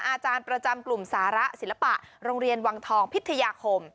อาจารย์ประจำกลุ่มสาระศิลปะโรงเรียนวังทองพิทยาคม